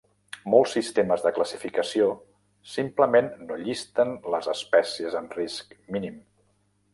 Molts sistemes de classificació simplement no llisten les espècies en risc mínim.